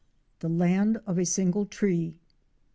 THE LAND OF A SINGLE TREE.